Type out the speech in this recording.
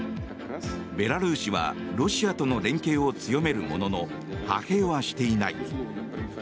ベラルーシはロシアとの連携を強めるものの派兵はしていない。